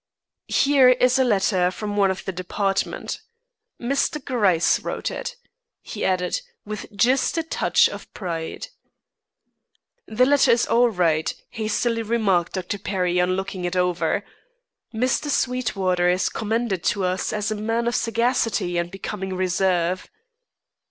"Here is a letter from one of the department. Mr. Gryce wrote it," he added, with just a touch of pride. "The letter is all right," hastily remarked Dr. Perry on looking it over. "Mr. Sweetwater is commended to us as a man of sagacity and becoming reserve."